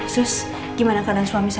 terus gimana keadaan suami saya